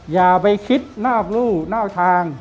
อย่าไปคิดนอกรู่นอกทาง